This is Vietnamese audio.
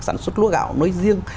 sản xuất lúa gạo nói riêng